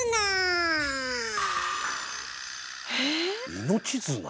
命綱？